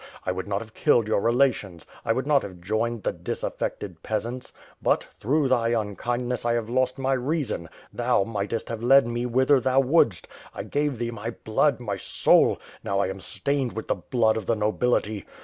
1 would not have killed your relations; 1 would not have joined the disaffected peasants; but, through thy imkindness I have lost my reason. Thou mightest have led me whither thou would'st. I gave thee my blood, my soul; now, I am stained with the blood of the nobility.